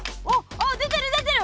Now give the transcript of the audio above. あでてるでてる！